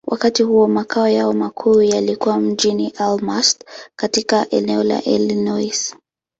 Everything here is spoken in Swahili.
Wakati huo, makao yao makuu yalikuwa mjini Elmhurst, katika eneo la Illinois.